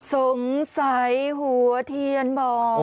สงสัยหัวเทียนบอก